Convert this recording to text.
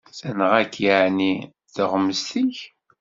Tenɣa-k ɛni tuɣmest-ik?